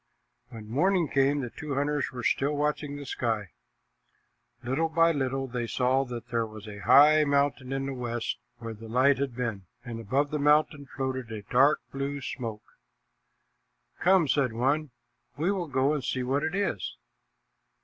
When morning came, the two hunters were still watching the sky. Little by little they saw that there was a high mountain in the west where the light had been, and above the mountain floated a dark blue smoke. "Come," said one, "we will go and see what it is."